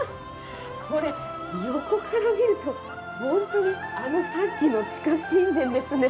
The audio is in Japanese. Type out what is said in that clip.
これ、横から見ると本当にあのさっきの地下神殿ですね。